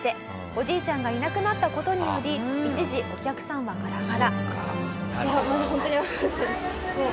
おじいちゃんがいなくなった事により一時お客さんはガラガラ。